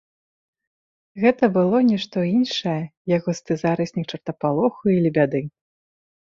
Гэта было не што іншае, як густы зараснік чартапалоху і лебяды.